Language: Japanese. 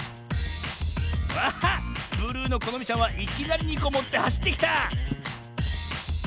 あっブルーのこのみちゃんはいきなり２こもってはしってきた！